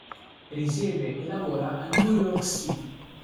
Risiede e lavora a New York City.